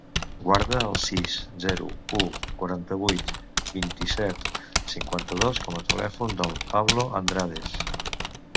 Guarda el sis, zero, u, quaranta-vuit, vint-i-set, cinquanta-dos com a telèfon del Pablo Andrades.